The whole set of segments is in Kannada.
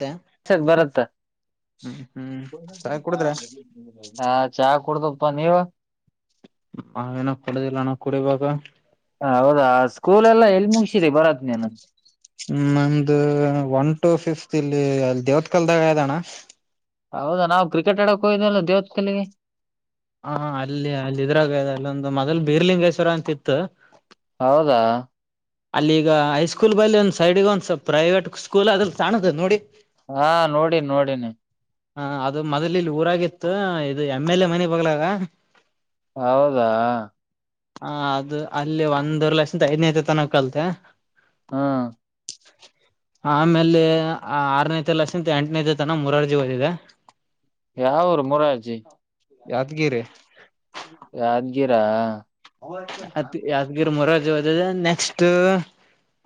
ಮತ್ತೆ ಬರತ್ತ ಹ್ಮ್ ಹ್ಮ್ ಚಾ ಕುಡುದ್ರ ಹಾ ಚಾ ಕುಡ್ದಪ್ಪಾ ನೀವ ನಾವೇನ ಕುಡುದಿಲ್ಲಣ ಕುಡಿುವಾಗ ಹೌದಾ ಸ್ಕೂಲ್ ಎಲ್ಲಾ ಎಲ್ಲಿ ಮುಗಸಿರಿ ಬರತ್ ನೀೇನ ನಮ್ದು ಒನ್ ಟು ಫಿಫ್ತ್ ಇಲ್ಲಿ ಅಲ್ಲಿ ದೇವತ್ ಕಲ್ದಾಗ ಅಣ್ಣ ಹೌದಾವು್ರೆ ಆಡಕ್ ಹೋಯ್ನಲ್ಲ ದವತ್ ಕಲ್ಲಿಗೆ ಹ ಅಲ್ಲಿ ಅಲ್ಲಿ ಇದ್ರಾಗ ಅಲ್ಲೊಂದು ಮೊದಲ್ ಬೀರ್ಲಿಂಗೇಶ್ವರ ಅಂತಿತ್ತು ಹೌದಾ ಅಲ್ಲಿೀಗ ಹೈಸ್ಕೂಲ್ ಬಲ್ಲಿಿ ಒಂದ್ ಸೈಡ್ಿಗೆ ಒಂದ ಪ್ರೈವೇಟ್ ಸ್ಕೂಲ್ ಅದಲ್ಲಿ ತಾಣತ ನೋಡಿ ಹಾ ನೋಡನ್ಿ ನೋಡಿನಿ ಹ ಅದು ಮೊದಲ ಇಲ್ಲಿ ಊರಾಗಿತ್ತು ಇದು ಎಮ್ಮ ಎಲೆ ಮನೆ ಬಗ್ಲಾಗ ಹೌದಾ ಹ ಅದು ಅಲ್ಲಿ ಒಂದರ ಲಕ್ಷ ಐದನೇೈಐತೆ ತನ್ ಕಲ್ತೆ ಹಾ ಆಮೇಲೆ ಆರನೇತೆ ಲಕ್ಷ ಎಂಟನೇತೆತನ ಮೂರರ್ ಜಿ ಓದಿದೆ ಯಾವರು ಮುರಾರ್ಜಿ [unintelligible] ಯಾದ್ಗಿರಿ [unintelligible] ಯಾದ್ಗೀರ [unintelligible] ಅತ್ ಯಾದಗಿರ್ ಮರಾಜಿ ಹದದ ನೆಕ್ಸ್ಟ್ [unintelligible]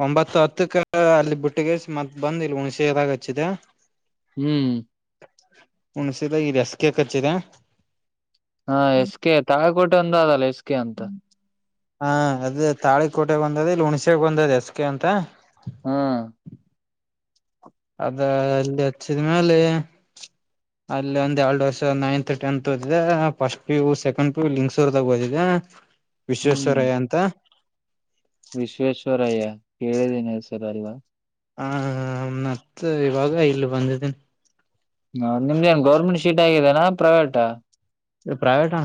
ಒಂಬತ್ತು ಹತ್ತಕ್ಕ ಅಲ್ಲಿ ಬಿುಟ್ಟಿಗೆ ಮತ್ ಬಂದ್ ಇಲ್ ಹುಣಸೆದಾಗ ಹಚ್ಚಿದೆ [unintelligible] ಹ್ಮ್ [unintelligible] ಹುಣಸರ ಈ ರಸ್ಗೆ ಕಚ್ಚಿದೆ [unintelligible] ಹಾ ಎಸ್ ಕೆ ತಾಳಕೋಟೆ ಒಂದ ಅಲ್ಲ ಎಸ್ ಕೆ ಅಂತ [unintelligible] ಹಾ ಅದೇ ತಾಳಿ ಕೋಟೆ ಬಂದದ ಇಲ್ಲಿ ಹುಣ್ಸಾಗ ಬಂದದ ಎಸ್ಗೆ ಅಂತ [unintelligible] ಹಾ [unintelligible] ಅದ ಅಲ್ಲಿ ಹಚ್ಚಿದ್ಮ್ಯಾಲ [unintelligible] ಅಲ್ಲಿ ಒಂದ್ ಎರಡು ವರ್ಷ ನೈನ್ತ್ ಟೆಂತ್ ಓದಿದೆ first PU second P U ಲಿಂಗಸೂರ್ದಾಗ ಓದಿದೆ [unintelligible] ಹ್ಮ್ ವಿಶ್ವೇಶ್ವರಯ್ಯ ಅಂತ [unintelligible] ವಿಶ್ವೇಶ್ವರಯ್ಯ ಕೇಳಿದೀನ ಸರ್ ಅಲ್ವಾ ಹ ಮತ್ ಇವಾಗ ಇಲ್ಲಿ ಬಂದಿದ್ದೀನಿ ಹ ನಿಮ್ದೇಏನ್ ಗೌರ್ಮೆಂಟ್ ಶೀಟ್ ಆಗಿದ್ದೇಾನ ಪ್ರೈವೇಟ ಇ ಪ್ರೈವೇಟ್ಾ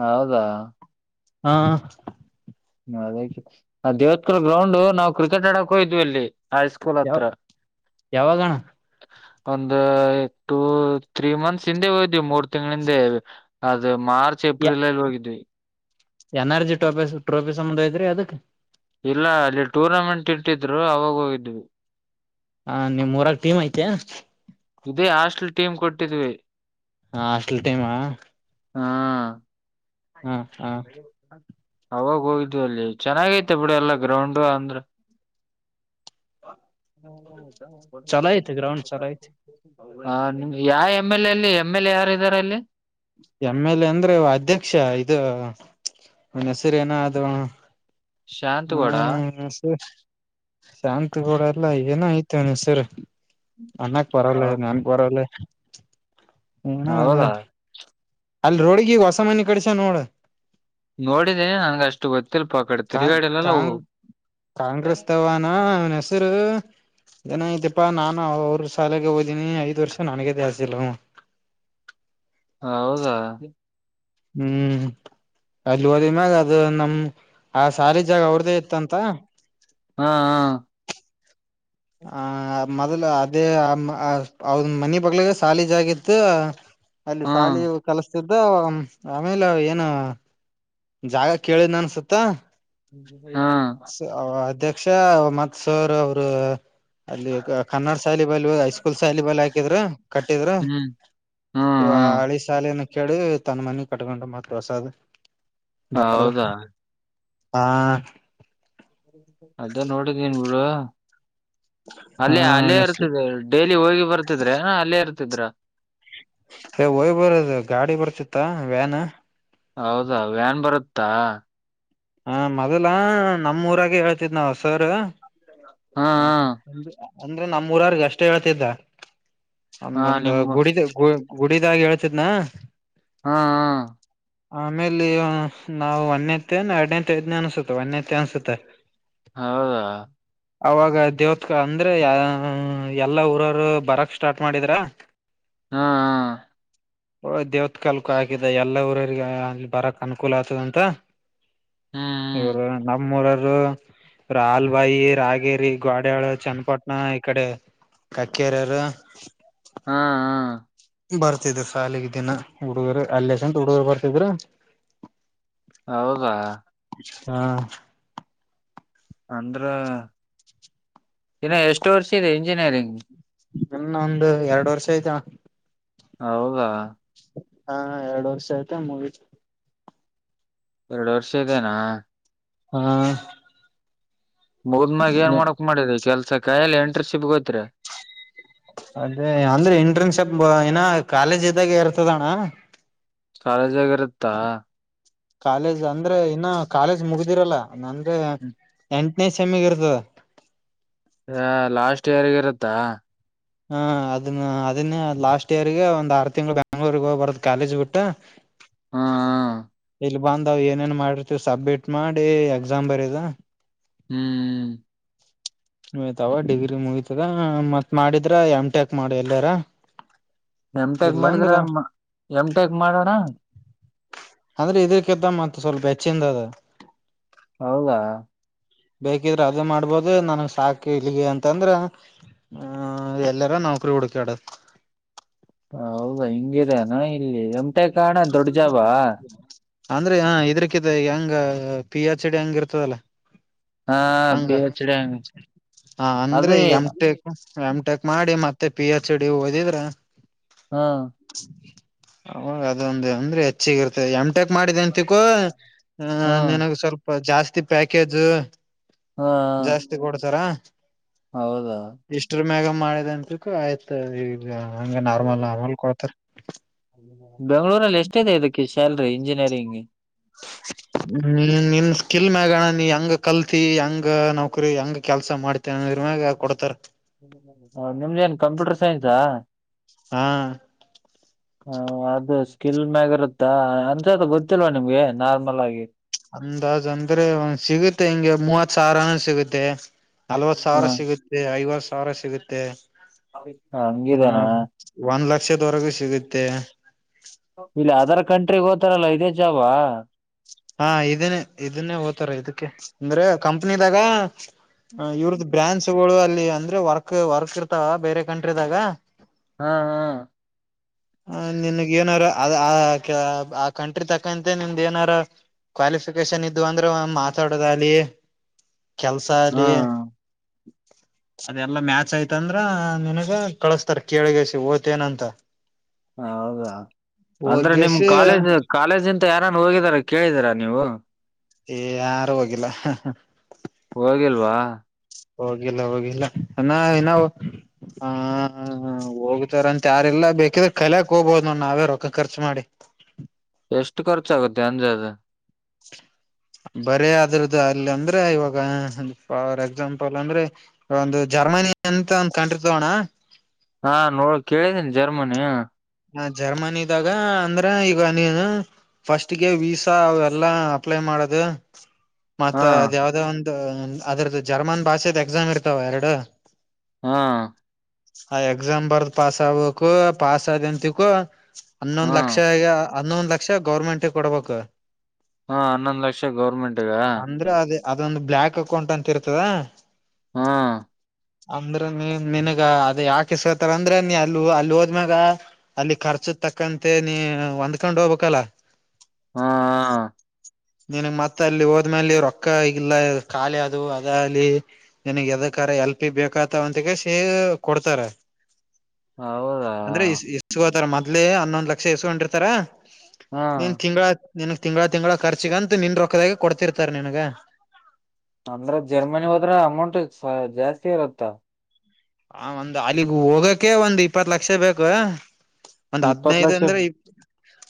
ಹೌದಾ [unintelligible] ಹಾ [unintelligible] ಅದ ದೇವತ್ಕುರ್ ಗ್ರೌಂಡ್ ನಾವು ಕ್ರಿಕೆಟ್ ಆಡಕ್ ಹೋಯ್ವಿ ಇಲ್ಲಿ [unintelligible] ಯಾವ ಫಲತ್ರ [inaudible] ಯಾವಾಗಣ ಒಂದ ಟೂ ತ್ರೀ ಮಂತ್ಸ್ ಹಿಂದೆ ಹಯ್ದ್ವಿ ಮೂರ್ ತಿಂಗಳಿಂದೆ [unintelligible] ಅದು ಮಾರ್ಚ್ ಏಪ್ರಿಲ್ ಅಲ್ಲಿ ಹೋಗಿದ್ವಿ [unintelligible] ಎನರ್ಜಿ ಟ್ರೋಫಿ ಟೋಫಿ ಸಂಬಯ್ರರಿ ಅದಕ್ [unintelligible] ಇಲ್ಲ ಅಲ್ಲಿ ಟೂರ್ನಮೆಂಟ್ ಇಟ್ಟಿದ್ರು ಅವಾಗ ಹೋಗಿದ್ವಿ [unintelligible] ಹ ನಿಮ್ ಮೂರಾಗ ಟೀಮ್ ಐತೆ [unintelligible] ಇದೇ ಹಾಸ್ಟಲ್ ಟೀಮ್ ಕೊಟ್ಟಿದ್ವಿ [unintelligible] ಹ ಹಾಸ್ಟೆಲ್ ಟೈಮ [unintelligible] ಹಾ [unintelligible] ಹಾ ಹಾ [unintelligible] ಅವಾಗ ಹೋಗಿದ್ ಅಲ್ಲಿ ಚೆನ್ನಾಗೈತೆ ಬಿಡಿ ಎಲ್ಲಾ ಗ್ರೌಂಡ್ ಅಂದ್ರ [unintelligible] ಹ್ಮ್ ಹ್ಮ ಬ ಚಲೋ ಹೊ ಐತಿ ಗ್ರೌಂಡ್ ಚಲೋ ಐತಿ [inaudible] ಹ ನಿಮ ಯಾವ ಎಮ್ ಎಲ್ ಎಲ್ಲಿ ಎಮ್ ಎಲ್ ಎ ಯಾರ ಇದಾರೆ ಅಲ್ಲಿ [unintelligible] ಎಮ್ ಎಲ್ ಎ ಅಂದ್ರೆ ಅಧ್ಯಕ್ಷ ಇದು [unintelligible] ನ್ನೆಸರಿನ ಅದುಣ ಶಾಂತಗೌಡ ಹ್ಮ ಸರಿ [unintelligible] ಶಾಂತ ಗೂಡ ಎಲ್ಲ ಏನೋ ಆಯ್ತನಸರ್ ಅನ್ನಕ್ ಬರಲ್ಲ ನನ್ [unintelligible] ಪರಲ್ಲ ಏನ ಅದ [inaudible] ಹೌದಾ ಅಲ್ಲಿ ರೋಡ್ಗೀಗ ಹೊಸ ಮನೆಿ ಕಡಸ ನೋಡ [unintelligible] ನೋಡಿದ್ದೀನಿ ನನ್ಗ ಅಷ್ಟು ಗೊತ್ತಿಲ್ ಪ ಆ ಕಡೆ ಕಾಂಗ್ ತಿರುಗಾಡಲ್ಲವು ಕಾಂಗ್ [unintelligible] ಕಾಂಗ್ರೆಸ್ ತವಾ ನ [unintelligible] ಸ ಜನ ಐತಿಪ್ಪಾ ನಾನು ಅವ್ರ ಶಾಲೆಗೆ ಹೋದೀನಿ ಐದ್ ವರ್ಷ ನನಗ ದಾಸ್ತಿಲ್ಲ [unintelligible] ಹ ಹೌದಾ [unintelligible] ಹ್ಮ್ ಅಲ್ಲಿ ಓದ ಮ್ಯಾಗ ಅದು ನಮ ಆ ಸಾಲ ಜಾಗ ಅವ್ರ್ದೇ ಇತ್ತಂತ [unintelligible] ಹಾ ಹಾ [unintelligible] ಆ ಮೊದ್ಲು ಅದೇ ಅವದ ಮನಿ ಬಗ್ಳಾಗ ಸಾಲಿಜಾಗಿತ್ತು [unintelligible] ಅಲ್ಲಿ ಹಾ ಸಾಲಿ ಕಲಸ್ತಿದ್ದ ಆಮೇಲೆ ಏನು [unintelligible] ಜಾಗ ಕೇಳಿದ್ ಅನ್ಸುತ್ತ [unintelligible] ಹಾ [unintelligible] ಅಧ್ಯಕ್ಷ ಮತ್ ಸರ್ ಅವರು [unintelligible] ಅಲ್ಲಿ ಹಾ ಕನ್ನಡ ಶೈಲಿ ಬಲ್ ಇ ಹೈಸ್ಕೂಲ್ ಶೈಾಲಿ ಬಲ್ ಹಾಕಿದ್ರ [unintelligible] ಕಟ್ಟಿದ್ರ ಹ್ಮ್ ಹ್ಮ್ ಇವ ಹ್ಮ್ ಹಳಿ ಸಾಲಿನ. ಕಡೆವಿ ತನ್ನ ಮನಿ ಕಟ್ಕೊಂಡು ಮತ್ ಹೊಸಾದು ದೊಡದು. ಹೌದಾ ಹಾ. ಅದ್ದೇ ನೋಡಿದೀನ್ ಬಿಡು ಹಾ ಅಲ್ಲೇ ಅಲ್ಲೇ ಇರ್ತದೆ. ಡೈಲಿ ಹೋಗಿ ಬರ್ತಿದ್ರ ಅಲ್ಲೇ ಇರ್ತಿದ್ರ. ಏ ಹೋಗಿ ಬರೋದು ಗಾಡಿ ಬರ್ತಿತ್ತಾ ವ್ಯಾನ್. ಹೌದಾ ವ್ಯಾನ್ ಬರುತ್ತಾ. ಹ ಮೊದಲ ನಮ್ಊರಾಗ ಹೇಳ್ತಿದ್ ನಾವ್ ಸರ್. ಹ ಹ ಅಂದ್ರೆ ನಮ್ಮ್ ಊರರ್ಗ ಅಷ್ಟೇ ಹೇಳ್ತಿದ್ದ. ಹಾ ಹಾ ಒಂದೊಂದು ನಿಮ್ಮ ಗುಡಿ ಗುಡಿದ ಗುಡಿದಾಗಿ ಹೇಳ್ತಿದ್ನಾ. ಹಾ ಹ. ಆಮೇಲೆ ನಾವು ಒಂದತ್ತ ಎರಡನೇ ಐದನೇ ಅನ್ಸುತ್ತೆ ಒಂದತ್ತ ಅನ್ಸುತ್ತೆ. ಹೌದ [unintelligible] ಅವಾಗ ದೇವತ್ಕ ಅಂದ್ರೆ ಎಲ್ಲಾ ಊರವರು ಬರಕ್ ಸ್ಟಾರ್ಟ್ ಮಾಡಿದ್ರ [unintelligible] [inaudible] ಹಾ [unintelligible] [inaudible] ಓ ದೇವತ್ ಕಾಲಕ್ಕ ಹಾಕಿದ ಎಲ್ಲಾ ಊರಿಗೆ ಅಲ್ಲಿ ಬರಕ್ ಅನುಕೂಲ ಆಗ್ತದಂತ. ಹ್ಮ್ ಹ್ಮ್ ಇವರು ನಮ್ಮೂರರು ಇವ್ರ್ ಹಾಲ್ಬಾಯಿ ರಾಗಿ. ಕಗೇರಿ ಗೋಡಳ ಚನ್ನಪಟ್ಟಣ ಇಕಡೆ ಕಕ್ಕೇರರು. ಹಾ. ಹಾ ಬರ್ತಿದರು ಸಾಲಿಗೆ ದಿನ ಹುಡುಗರು ಅಲ್ಲಸಂತ ಹುಡುಗರು ಬರ್ತಿದ್ರು. ಹೌದಾ. ಹಾ. ಅಂದ್ರ ಇನ್ನ ಎಷ್ಟು ವರ್ಷ ಇದೆ ಇಂಜಿನಿಯರಿಂಗ್. ಇನ್ನೊಂದು ಒಂದುಎರಡು ವರ್ಷ ಆಯ್ತಣ. ಹೌದಾ. ಹಾ ಎರಡು ವರ್ಷ ಆಯ್ತೆ ಮುಗೀತು. ಎರಡು ವರ್ಷ ಇದೇನಾ. ಹಾ. ಮುಗದ್ ಮಾಗ ಏನ್ ಮಾಡೋಕ್ ಮಾಡಿದೆ ಕೆಲ್ಸ ಕಯಿ ಎಂಟರ್ಶಿಪ್ ಗೋತ್ರರಿ. ಅದೇ ಅಂದ್ರೆ ಎಂಟ್ರೆನ್ಸ್ಪ್ ಏನ ಕಾಲೇಜ್ ಇದ್ದಾಗ ಇರ್ತದಣ್ಣ. ಕಾಲೇಜ್ ಆಗ ಇರುತ್ತಾ. ಕಾಲೇಜ್ ಅಂದ್ರೆ ಇನ್ನು ಕಾಲೇಜ್ ಮುಗ್ದಿರಲ್ಲ ಅಂದ್ರೆ ಎಂಟನೇ ಸಮ್ಗೆ ಇರ್ತದ. ಹ ಲಾಸ್ಟ್ ಇಯರ್ಗ ಇರುತ್ತಾ. ಹ ಅದನ್ನ ಅದನ್ನೇ ಲಾಸ್ಟ್ ಇಯರ್ಗೆ ಒಂದ್ ಆರು ತಿಂಗಳ ಬ್ಯಾಂಗ್ಳೂರ್ಗ್ ಹೋಗ್ ಬರದ್ ಕಾಲೇಜ್ ಬಿಟ್ಟು. ಹಾ. ಇಲ್ ಬಂದಾವ್ ಏನೇನ್ ಮಾಡಿರ್ತಿವಿ ಸಬ್ಮಿಟ್ ಮಾಡಿ ಎಕ್ಸಾಮ್ ಬರದು. ಹ್ಮ್. [inaudible] ಹಯ್ತಾವ ಡಿಗ್ರಿ ಮುಗಿತದ ಮತ್ ಮಾಡಿದ್ರ ಎಮ್ ಟೆಕ್ ಮಾಡಿ ಎಲ್ಲಾರ. [inaudible] ಎಮ್ ಟೇಕ್ ಮಾಡಿದ್ರ ಇಲ್ಲಾಂದ್ರ ಎಮ್ ಟೇಕ್ ಮಾಡೋಣ. ಅಂದ್ರೆ ಇದ್ಗಕಿಂತ ಮತ್ ಸ್ವಲ್ಪ ಹೆಚ್ಚಿಂದದು. ಹೌದಾ. ಬೇಕಿದ್ರೆ ಅದ ಮಾಡ್ಬೋದು ನನ್ಗ್ ಸಾಕು ಇಲ್ಲಿಗೆ ಅಂತಂದ್ರ. ಹ್ಮ ಎಲ್ಲರ ನೌಕರಿ ಹುಡುಕ್ಯಾಡದು. ಹೌದಾ ಹಿಂಗಿದೆನ ಇಲ್ಲಿ ಎಂಟೆಕ್ ಕಾಣ ದೊಡ್ ಜಬಾ. ಅಂದ್ರೆ ಹ ಇದ್ರಕ ಹೆಂಗ ಪಿ ಎಚ್ ಡಿ ಹೆಂಗ ಇರ್ತದಲ್ಲಾ. ಹಾ ಹಂಗ ಪಿ ಎಚ್ ಡಿ ಹಂಗ ಹ ಅಂದ್ರೆ ಅದೇ ಮಟೆಕಾ ಎಮ್ ಟೆಕ್ ಮಾಡಿ ಮತ್ತೆ ಪಿ ಎಚ್ ಡಿ ಓದಿದ್ರ ಹಾ ಅವಾಗ ಅದೊಂದು ಅಂದ್ರೆ ಹೆಚ್ಚ ಹೆಚ್ಚಿಗಿರ್ತ್ತೆ ಎಮ್ ಟೆಕ್ ಮಾಡಿದೆ ಅಂತಿಕೋ ಹಾ ನನಗ ಸ್ವಲ್ಪ ಜಾಸ್ತಿ ಪ್ಯಾಕೇಜು ಹಾ ಕೊಡ್ತಾರಾ ಹೌದಾ ಇಷ್ಟ್ರ ಮ್ಯಾಗ ಮಾಡಿದ ಅನ್ಸು ಆಯ್ತ ಈಗ ಹಂಗ ನಾರ್ಮಲ್ ಆಮಲ್ ಕೊಡ್ತಾರ ಬೆಂಗಳಳೂರಲ್ಲಿ ಎಷ್ಟ ಇದೆ ಇದಕ್ಕೆ ಸ್ಯಲ್ರಿ ಇಂಜಿನಿಯರಿಂಗ್ ಹ್ಮ್ ನಿನ್ ಸ್ಕಿಲ್ ಮ್ಯಾಗಣ ನೀ ಹೆಂಗ ಕಲ್ತಿ ಹೆಂಗ ನೌಕರಿ ಹೆಂಗ ಕೆಲ್ಸ ಮಾಡ್ತಿ ನಿರ್ಮಾಗ ಕೊಡ್ತಾರ ನಿಮ್ದೇನ್ ಕಂಪ್ಯೂಟರ್ ಸೈನ್ಸಾ ಹಾ ಹ ಅದು ಸ್ಕಿಲ್ ಮ್ಯಾಗ ಇರುತ್ತಾ ಅನ್ಸತ ಗೊತ್ತಿಲ್ವಾ ನಿಮ್ಗೆ ನಾರ್ಮಲ್ ಆಗಿ. ಅಂದಾಜ್ ಅಂದ್ರೆ ಒಂದ್ ಸಿಗುತ್ತೆ ಹಿಂಗೆ ಮೂವತ್ ಸಾವಿರನು ಸಿಗುತ್ತೆ. ನಲ್ವತ್ ಸಾವಿರ ಹ ಸಿಗುತ್ತೆ ಐವತ್ತು ಸಾವಿರ ಸಿಗುತ್ತೆ. ಹ ಹಂಗಿದೇನಾ ಒಂದ್ ಲಕ್ಷದವರೆಗೂ ಸಿಗುತ್ತೆ ಇಲ್ಲಿ ಅದರ್ ಕಂಟ್ರಿ ಓತಾರಲ್ಲ ಇದೇ ಜಾಬಾ ಹಾ ಇದನ್ನೇ ಇದನ್ನೇ ಓತಾರ ಇದಕ್ಕೆ ಅಂದ್ರೆ ಕಂಪ್ನಿದಾಗ ಇವ್ರದ್ದ ಬ್ರ್ಯಾನ್ಚ್ ಗಳು ಅಲ್ಲಿ ಅಂದ್ರೆ ವರ್ಕ್ ವರ್ಕ್ ಇರ್ತಾವ ಬೇರೆ ಕಂಟ್ರಿದಾಗ ಹಾ ಹಾ ಹ ನಿನ್ಗ್ ಏನಾರ ಅ ಆ ಆ ಕಂಟ್ರಿ ತಕ್ಕಂತೆ ನಿಮ್ದ ಏನಾರ ಕ್ವಾಲಿಫಿಕೇಶನ್ ಇದು ಅಂದ್ರೆ ಮಾತಾಡದಲಿ ಕೆಲ್ಸ ಅಲಿ [inaudible] ಹಾ ಅದೆಲ್ಲಾ ಮ್ಯಾಚ್ ಆಯ್ತ ಅಂದ್ರ ನನ್ಗ ಕಳಸ್ತಾರ ಕೇಳಗಸಿ ಓತೇನಂತ ಹೌದಾ ಅಂದ್ರೆ ನಿಮ್ ಹೋಗೇಶಿ ಕಾಲೇಜ್ ಕಾಲೇಜ್ ಇಂತ ಯಾರನ್ ಹೋಗಿದಾರ ಕೇಳಿದೀರಾ ನೀವು ಏ ಯಾರು ಹೋಗಿಲ್ಲ ಹೋಗಿಲ್ವಾ ಹೋಗಿಲ್ಲ ಹೋಗಿಲ್ಲ ನಾ ನಾವು ಹ ಹೋಗತಾರಂತ ಯಾರಲ್ಲ ಬೇಕಿದ್ರೆ ಕಲಯಕ್ ಹೋಗಬೋದ್ ನೋಡ್ ನಾವೇ ರೊಕ್ಕ ಖರ್ಚು ಮಾಡಿ. ಎಷ್ಟಟ್ ರ್ಚಾಗುತ್ತೆ ಅಂದ ಜದ ಬರೇ ಅ ಆದ್ರದ್ದ ಅಲ್ಲಿ ಅಂದ್ರೆ ಇವಾಗ ಫಾರ್ ಎಕ್ಸಾಂಪಲ್ ಅಂದ್ರೆ ಒಂದು ಜರ್ಮನಿ ಅಂತ ಒಂದ ಕಂಟ್ರಿ ತಗೋಣ ಹಾ ನೋಡ್ ಕೇಳಿದೀನಿ ಜರ್ಮನಿ ಹ ಜರ್ಮನಿದಾಗ ಅಂದ್ರ ಈಗ ನೀನು ಫಸ್ಟ್ಗೆ ವೀಸಾ ಅವ ಎಲ್ಲಾ ಅಪ್ಲೈ ಮಾಡದು ಮತ್ತತ್ ಹಾ ಅದ್ ಯಾವ್ದೋ ಒಂದು ಅದ್ರದ್ದು ಜರ್ಮನ್ ಭಾಷೆದ ಎಕ್ಸಾಮ್ ಇರ್ತಾವ ಎರಡು ಹಾ ಆ ಎಕ್ಸಾಮ್ ಬರ್ದ್ ಪಾಸ್ ಆಗ್ಬೇಕಕ್ಕು ಪಾಸ್ ಆದಂತಿಕು ಹಾ ಹನ್ನೊಂದ್ ಲಕ್ಷ ಈಗ ಹನ್ನೊಂದ ಲಕ್ಷ ಗೌರ್ಮೆಂಟ್ ಕೊಡ್ಬೇಕು ಹಾ ಹನ್ನೊಂದ್ ಲಕ್ಷ ಗೌರ್ಮೆಂಟ್ಗ ಅದೇ ಅದೊಂದು ಬ್ಲಾಕ್ ಅಕೌಂಟ್ ಅಂತ ಇರ್ತದ ಹಾ ಅಂದ್ರ ನೀ ನನ್ಗ ಅದ ಯಾಕೆಸ್ಕತಾರ ಅಂದ್ರ ನೀ ಅ ಅಲ್ಲಿ ಹೋದ್ಮ್ಯಾಗ ಅಲ್ಲಿ ಖರ್ಚು ತಕ್ಕಂತೆ ನೀ ಹೊಂದ್ಕೊಂಡ್ ಹೋಗ್ಬೇಕಲ್ಲ ಹಾ ಹ ನನ್ಗ್ ಮತ್ತ ಅಲ್ಲಿ ಹೋದ್ಮೇಲೆ ರೊಕ್ಕ ಇಗಲ್ಲ ಖಾಲಿ ಅದು ಅದ ಅಲ್ಲಿ ನಿನಗ್ ಎದಕ್ಕ ಎಲ್ ಪಿ ಬೇಕಾತ ಅಂತಗೆ ಸಿ ಕೊಡ್ತಾರೆ ಹೌದಾ ಅಂದ್ರೆ ಎಸ್ಕೋತಾರ ಮೊದ್ಲೆೇ ಹನ್ನೊಂದ್ ಲಕ್ಷ ಎಸ್ಕೊಂಡಿರ್ತಾರ ಹಾ ನೀನ್ ತಿಂಗಳ ನಿನ್ಗ್ ತಿಂಗಗಳ ತಿಂಗ್ಗಳ ಖರ್ಚಗಂತ ನಿನ್ ರೊಕ್ಕದಾಗ ಕೊಡ್ತಿರ್ತಾರ್ ನನ್ಗ ಅಂದ್ರ ಜರ್ಮನಿ ಹೋದ್ರ ಅಮೌಂಟ್ ಜಾಸ್ತಿ ಇರುತ್ತಾ ಹ ಒಂದ್ ಅಲ್ಲಿಗ್ ಹೋಗಕೆ ಒಂದ್ ಇಪ್ಪತ್ ಲಕ್ಷ ಬೇಕು ಒಂದ್ ಇಪ್ಪತ್ ಹದ್ನೈದ ಲಕ್ಷ ಅಂದ್ರೆ ಇ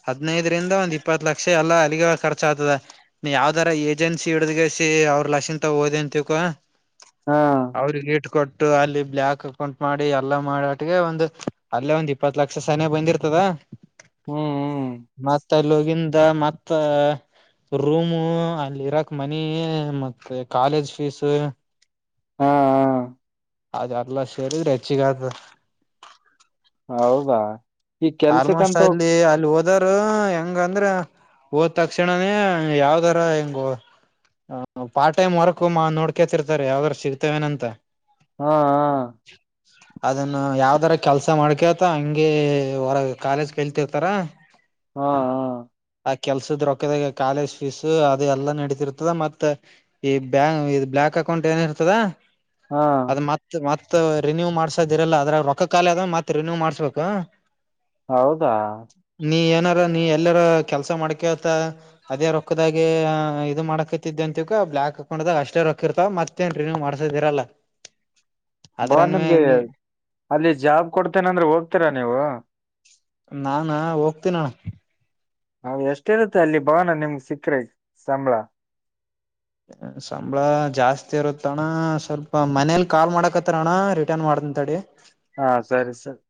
ಹದ್ನೈದರಿಂದ ಒಂದ್ ಇಪ್ಪತ್ತು ಲಕ್ಷ ಎಲ್ಲಾ ಅಲ್ಲಿಗೆ ಖರ್ಚ ಆ್ತದೆ ನೀ ಯಾವ್ದರ ಏಜೆನ್ಸಿ ಹಿಡ್ದಗಸಿ ಅವ್ರ ಲಕ್ಷನ್ ಓದಿನ್ಂತಿಕ ಹಾ ಅವ್ರಿಗೆ ಇಟ್ು ಕೊೊಟ್ಟು ಅಲ್ಲಿ ಬ್ಯಾಾಕ್ ಅಕೌಂಟ್ ಮಾಡಿ ಎಲ್ಲಾ ಮಾಡ ಆಟ್ಗೆ ಒಂದು್ ಅಲ್ಲೇ ಒಂದ್ ಇಪ್ಪತ್ತು ಲಕ್ಷ ಸನ ಬಂದಿರ್ತದ ಹ್ಮ್ ಹ್ಮ್ ಮತ್ತೆಲ್ಲೋಗಿಂದ ಮತ್ತ ಮತ್ತ ರೂಮು ಅಲ್ಲಿ ಇರಕ್ ಮನಿ ಮತ್ತೆ ಕಾಲೇಜ್ ಫೀಸ್ ಹಾ ಅದ ಎಲ್ಲ ಸೇರಿದ್ರೆ ಹೆಚ್ಚಿಗ ಹೌದಾ ಈ ಆಲ್ಮೋಸ್ಟ್ ಕೆಲ್ಸಕ್ಕಂತ ಅಲ್ಲಿ ಅಲ್ಲಿ ಹ ಅದಾರ ಹೆಂಗ ಅಂದ್ರ ಓದ ತಕ್ಷಣನೇ ಯಾವ್ದರ ಹೆಂಗ ಹ ಪಾರ್ಟ್ ಟೈಮ್ ವರ್ಕ್ ಮಾ ನೋಡ್ಕತಿರ್ತಾರೆ ಯಾವ್ದ್ರರು ಸಿಗ್ತೇವೇನಂತ ಹಾ ಹ ಅದನ್ನ ಯಾವ್ದರ ಕೆಲ್ಸ ಮಾಡ್ಕೊತ ಹಂಗಗೆ ಹೊರಗೆ ಕಾಲೇಜ್ ಕೇಲ್ತಿರ್ತಾರಾ ಹಾ ಹ ಆ ಕೆಲ್ಸದ್ರೊಕ್ಕದಾಗ ಕಾಲೇಜ್ ಫೀಸ ಅದೆಲ್ಲಾ ನಡೀತಿರ್ತದ ಮತ್ತೆ ಈ ಬ್ಯಾಂ ಇ್ ಬ್ಯಾಂಕ್ ಅಕೌಂಟ್ ಏನ ಇರ್ತದ ಹಾ ಅದ್ ಮತ್ ಮತ್ ರಿನ್ಯೂ್ ಮಾಡ್ಸೋದಿರಲ್ಲ ಅದ್ರ ರೊಕ್ಕ ಕಾಲಿ ಅದ ಮತ್ ರಿನ್ಯೂ ಮಾಡ್ಸ್ಬೇಕು ಹೌದಾ ನೀ ಏನಾರ ನೀ ಎಲ್ಲಾರ ಕೆಲ್ಸ ಮಾಡ್ಕ ಆತ ಅದೇ ರೊಕ್ಕದಾಗ ಇದು ಮಾಡಾಕತಿದ್ದ ಅಂತಿಕ ಬ್ಲ್ಯಾಕ್ ಹಾಕೊಂಡಾಗ ಅಷ್ಟೇ ರೊಕ್ಕ ಇರ್ತಾವ ಮತ್ ಇತ್ತೇನ್ರಿ ನೀ ಮಾಡ್ಸದಿರಲ್ಲ ಬಾ ನಿಮ್ಗೆ ಅಲ್ಲಿ ಜಾಬ್ ಕೊಡ್ತೇನೆ ಅಂದ್ರೆ ಹೋಗ್ತೀರಾ ನೀವು ನಾಾನ ಹೋಗ್ತೀನ ಹ ಎಷ್ಟಿರುತ್ತೆ ಅಲ್ಲಿ ಭವಾನ ನಿಮ್ಗೆ ಸಿಕ್ರೆಟ್ ಸಂಬಳ ಸಂಬಳ ಜಾಸ್ತಿ ಇರುತ್ತಣ ಸ್ವಲ್ಪ ಮನೇಲಿ ಕಾಲ್ ಮಾಡಾಕತಾರ ಅಣ್ಣ ರಿಟರ್ನ್ ಮಾಡ್ತಿನಿ ತಡಿ. ಹಾ ಸರಿ ಸರಿ